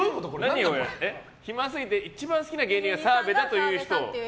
暇すぎて一番好きな芸人は澤部という人を？